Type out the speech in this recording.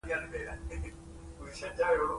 هغه وویل چې دا کیسه ډیره نوې ده.